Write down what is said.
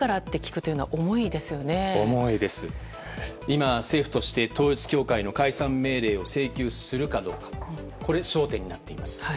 今、政府として統一教会の解散命令を請求するかどうかが焦点となっています。